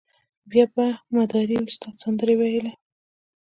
بیا به مداري استاد سندره ویله.